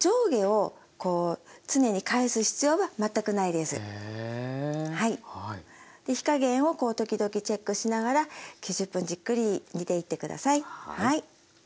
で火加減を時々チェックしながら９０分じっくり煮ていって下さい。